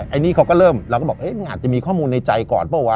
อันนี้เขาก็เริ่มเราก็บอกมันอาจจะมีข้อมูลในใจก่อนเปล่าวะ